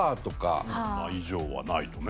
まあ以上はないとね。